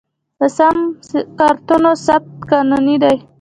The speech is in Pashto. د سم کارتونو ثبت قانوني دی؟